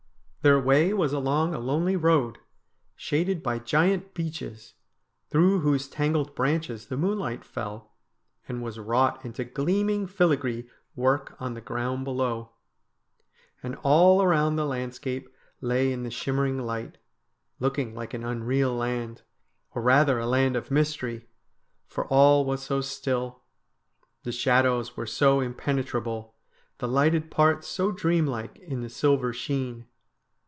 Their way was along a lonely road, shaded by giant beeches, through whose tangled branches the moonlight fell, and was wrought into gleaming filagree work on the ground below. And all around the landscape lay in the shimmering light, looking like an unreal land, or rather a land of mystery ; for all was so still, the shadows were so impenetrable, the lighted parts so dream like in the silver sheen.